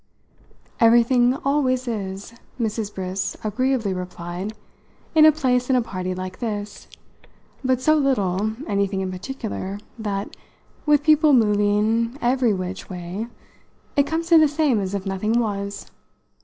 "Everything always is," Mrs. Briss agreeably replied, "in a place and a party like this; but so little anything in particular that, with people moving 'every which' way, it comes to the same as if nothing was.